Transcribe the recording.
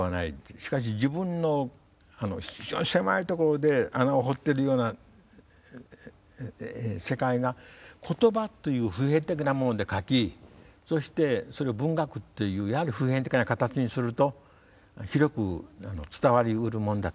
しかし自分の非常に狭いところで穴を掘ってるような世界が言葉という普遍的なもので書きそしてそれを文学っていうやはり普遍的な形にすると広く伝わりうるもんだと。